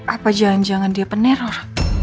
apa jangan jangan dia peneruh